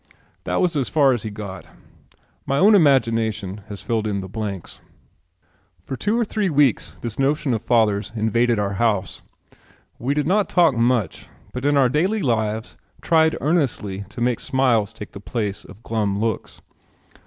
That was as far as he got. My own imagination has filled in the blanks. For two or three weeks this notion of father's invaded our house. We did not talk much, but in our daily lives tried earnestly to make smiles take the place of glum looks.